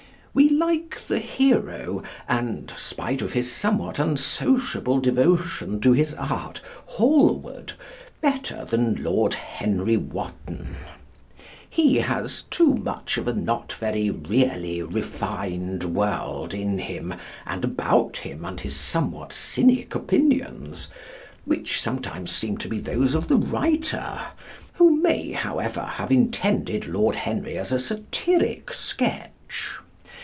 We like the hero and, spite of his somewhat unsociable, devotion to his art, Hallward, better than Lord Henry Wotton. He has too much of a not very really refined world in him and about him, and his somewhat cynic opinions, which seem sometimes to be those of the writer, who may, however, have intended Lord Henry as a satiric sketch.